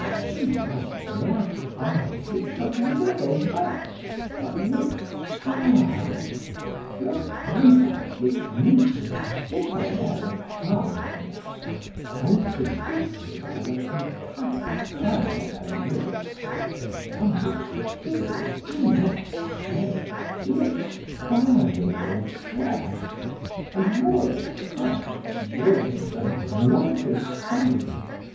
She has black eyes which have never wept, but which burn; black eyebrows which meet and give her an air of hardness contradicted by the compact curve of her lips, on which the kisses do not stay, lips burning and fresh; a Moorish color that warms a man like the sun.